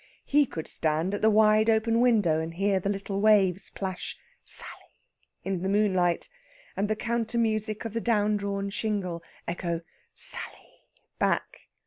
He could stand at the wide open window, and hear the little waves plash "Sally" in the moonlight, and the counter music of the down drawn shingle echo "Sally" back.